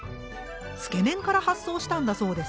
つけ麺から発想したんだそうですよ。